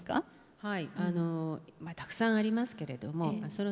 はい。